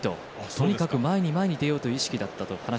とにかく前に前に出ようという意識だった。